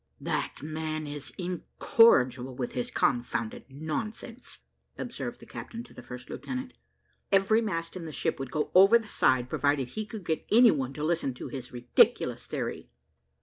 "That man is incorrigible with his confounded nonsense," observed the captain to the first lieutenant. "Every mast in the ship would go over the side, provided he could get any one to listen to his ridiculous theory."